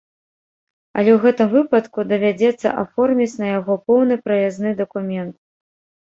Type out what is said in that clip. Але ў гэтым выпадку давядзецца аформіць на яго поўны праязны дакумент.